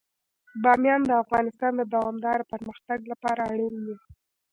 بامیان د افغانستان د دوامداره پرمختګ لپاره اړین دي.